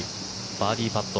バーディーパット。